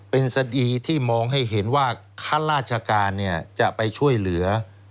เป็นสดีที่มองให้เห็นว่าข้าราชการจะไปช่วยเหลือ